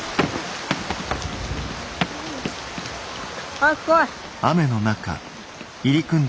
早く来い！